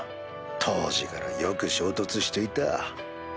当時からよく衝突していた。